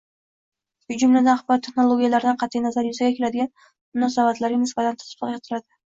shu jumladan axborot texnologiyalaridan qat’i nazar yuzaga keladigan munosabatlarga nisbatan tatbiq etiladi.